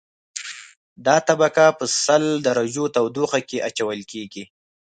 دا طبقه په سل درجو تودوخه کې اچول کیږي